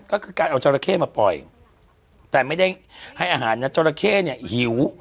ก็คือการเอาจราเข้มาปล่อยแต่ไม่ได้ให้อาหารนะจราเข้เนี่ยหิว